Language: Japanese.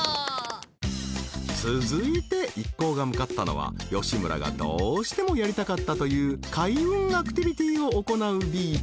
［続いて一行が向かったのは吉村がどうしてもやりたかったという開運アクティビティを行うビーチ］